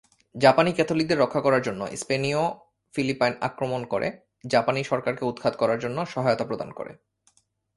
জাপানি ক্যাথলিকদের রক্ষা করার জন্য স্পেনীয় ফিলিপাইন আক্রমণ করে জাপানী সরকারকে উৎখাত করার জন্য সহায়তা প্রদান করে।